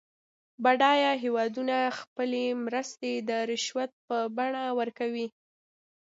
بډایه هېوادونه خپلې مرستې د رشوت په بڼه ورکوي.